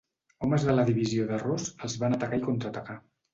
Homes de la divisió de Ross els van atacar i contraatacar.